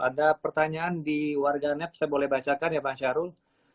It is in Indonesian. ada pertanyaan di warganet saya boleh bacakan ya pak syahrul